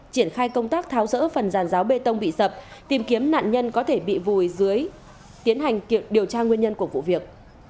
triển khai công tác tháo rỡ phần ràn giáo bê tông bị sập tìm kiếm nạn nhân có thể bị vùi dưới tiến hành điều tra nguyên nhân của vụ việc